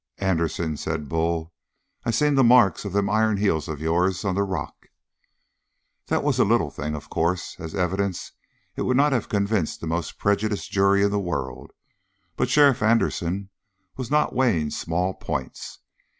"Anderson," said Bull, "I seen the marks of them iron heels of yours on the rock!" That was a little thing, of course. As evidence it would not have convinced the most prejudiced jury in the world, but Sheriff Anderson was not weighing small points.